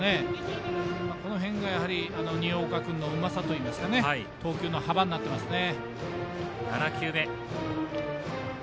この辺がやはり新岡君のうまさといいますか投球の幅になっていますね。